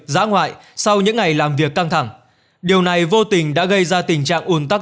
giã ngoại sau những ngày làm việc căng thẳng điều này vô tình đã gây ra tình trạng ồn tắc